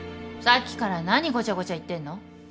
さっきから何ごちゃごちゃ言ってんの。